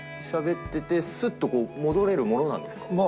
しゃべってて、すっと戻れるものなんですか？